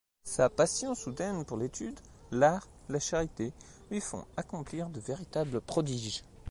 Sa passion soudaine pour l'étude, l'art, la charité, lui font accomplir de véritables prodiges.